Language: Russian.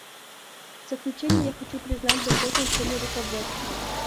В заключение я хочу признать большое значение руководства.